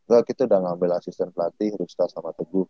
gua kita udah ngambil asisten pelatih rusta sama teguh